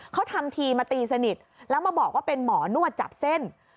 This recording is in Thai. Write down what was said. เขาทำทีมาตีสนิทแล้วมาบอกว่าเป็นหมอนวดจับเส้น